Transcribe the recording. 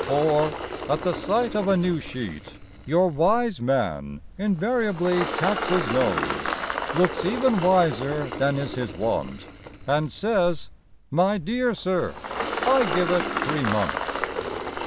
For at the sight of a new sheet, Your wise man invariably taps his nose, Looks even wiser than is his wont, And says, "My dear Sir, I give it Three months."